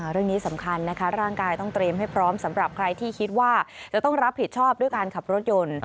เรื่องนี้สำคัญนะคะร่างกายต้องเตรียมให้พร้อมสำหรับใครที่คิดว่าจะต้องรับผิดชอบด้วยการขับรถยนต์